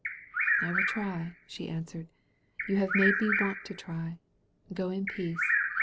"I will try," she answered; "you have made me want to try. Go in peace.